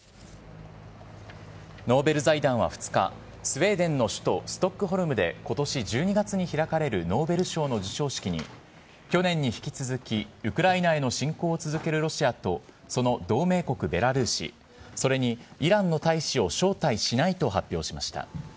ノーベル財団は２日、スウェーデンの首都ストックホルムでことし１２月に開かれるノーベル賞の授賞式に、去年に引き続きウクライナへの侵攻を続けるロシアとその同盟国ベラルーシ、それにイランの大使を招待しないと発表しました。